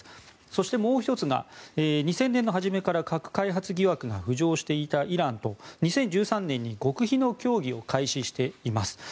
そして、もう１つが２０００年の初めから核開発疑惑が浮上していたイランと２０１３年に極秘の協議を開始しています。